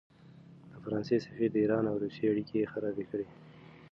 د فرانسې سفیر د ایران او روسیې اړیکې خرابې کړې.